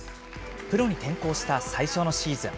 プロに転向した最初のシーズン。